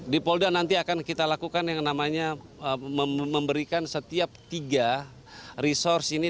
di polda nanti akan kita lakukan yang namanya memberikan setiap tiga resource ini